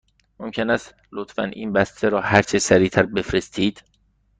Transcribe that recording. ممکن است لطفاً این بسته را هرچه سریع تر بفرستید؟